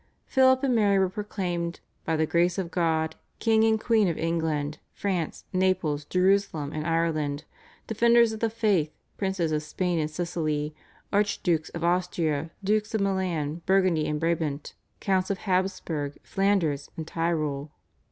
Philip and Mary were proclaimed "by the grace of God King and Queen of England, France, Naples, Jerusalem, and Ireland, Defenders of the Faith, Princes of Spain and Sicily, Arch Dukes of Austria, Dukes of Milan, Burgundy and Brabant, Counts of Habsburg, Flanders, and Tyrol."